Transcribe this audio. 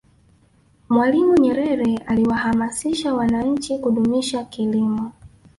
mwalimu nyerere aliwahamasisha wananchi kudumisha kilimo